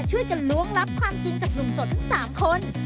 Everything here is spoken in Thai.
ช่วยกันล้วงลับความจริงจากหนุ่มโสดทั้ง๓คน